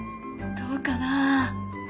どうかな？